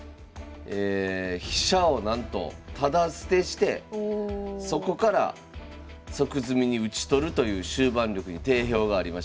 飛車をなんとタダ捨てしてそこから即詰みに討ち取るという終盤力に定評がありました。